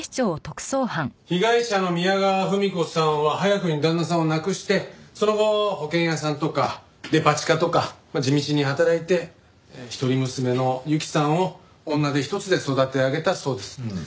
被害者の宮川文子さんは早くに旦那さんを亡くしてその後保険屋さんとかデパ地下とか地道に働いて一人娘の雪さんを女手一つで育て上げたそうです。